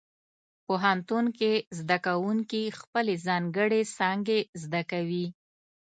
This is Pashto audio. پوهنتون کې زده کوونکي خپلې ځانګړې څانګې زده کوي.